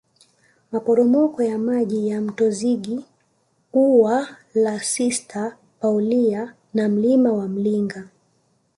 Maporomoko ya maji ya Mto Zigi Ua la Sista Paulia na Mlima wa Mlinga